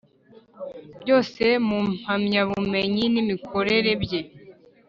Byose mu mpamyabumenyi n imikorere bye